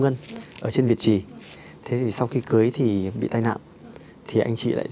mình muốn giải quyết là sao cho hợp tình hợp lý thôi